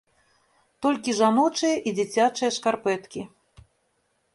Толькі жаночыя і дзіцячыя шкарпэткі.